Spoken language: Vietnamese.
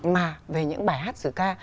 mà về những bài hát sử ca